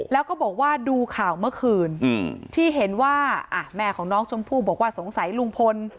แล้วก็บอกว่าดูข่าวเมื่อคืนที่เห็นว่าแม่ของน้องชมพู่บอกว่าสงสัยลุงพล